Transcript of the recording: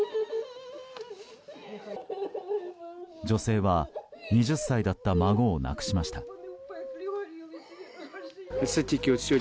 女性は２０歳だった孫を亡くしました。